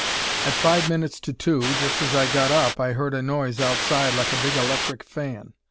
"At five minutes to two, just as I got up, I heard a noise outside like a big electric fan.